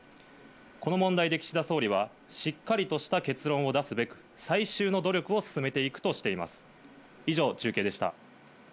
この問題で岸田総理は、しっかりとした結論を出すべく、最終の努力を進めていくとしています。